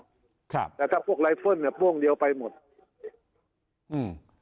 ครับแต่ถ้าพวกไรเพิ่มเนี่ยโป้งเดียวไปหมดอืม